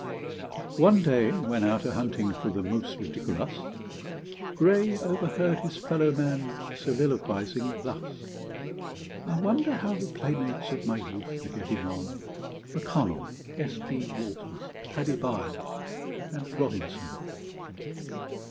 One day, when out a hunting for the mus ridiculus, Gray overheard his fellow man soliloquising thus: "I wonder how the playmates of my youth are getting on, M'Connell, S. B. Walters, Paddy Byles, and Robinson?"